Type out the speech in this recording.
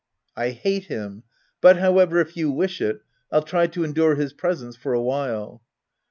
"I hate him; but however, if you wish it, I'll try to endure his presence for a while."